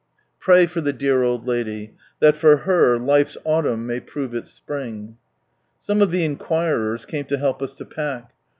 Pray for the dear old lady, that for her, life's autumn may prove its spring. Some of the inquirers came to help us to pack.